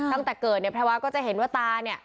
ตั้งแต่เกิดเนี่ยแพรวาก็จะเห็นว่าตาเนี่ย